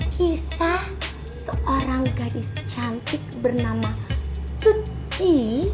kisah seorang gadis cantik bernama teti